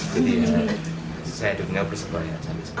jadi saya dunia persebaya